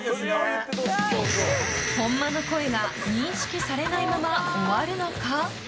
本間の声が認識されないまま終わるのか。